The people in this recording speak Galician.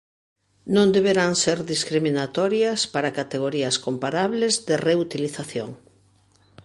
Non deberán ser discriminatorias para categorías comparables de reutilización.